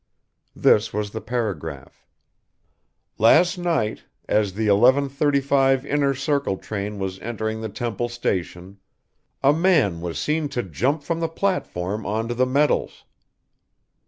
This was the paragraph: "Last night, as the 11.35 Inner Circle train was entering the Temple Station, a man was seen to jump from the platform on to the metals.